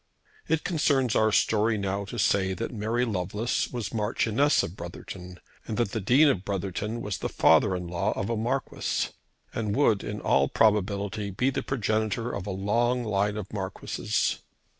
It concerns our story now to say that Mary Lovelace was Marchioness of Brotherton, and that the Dean of Brotherton was the father in law of a Marquis, and would, in all probability, be the progenitor of a long line of Marquises.